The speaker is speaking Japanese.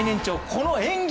この演技！